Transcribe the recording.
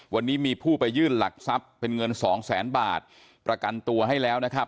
วันนี้มีผู้ไปยื่นหลักทรัพย์๒๐๐๐๐๐บาทประกันตัวให้แล้ว